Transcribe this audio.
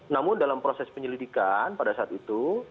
namun dalam proses penyelidikan pada saat itu